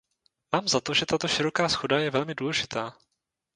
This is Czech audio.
Mám za to, že tato široká shoda je velmi důležitá.